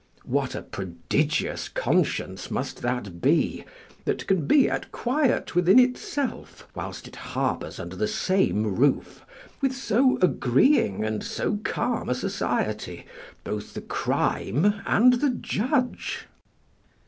What a prodigious conscience must that be that can be at quiet within itself whilst it harbours under the same roof, with so agreeing and so calm a society, both the crime and the judge?